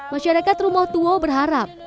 masyarakat rumah tua berharap